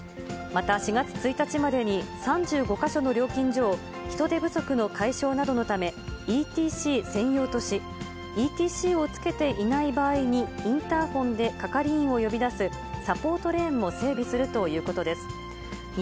また、４月１日までに３５か所の料金所を、人手不足の解消などのため、ＥＴＣ専用とし、ＥＴＣをつけていない場合にインターホンで係員を呼び出す、サポートレーンを整備するということです。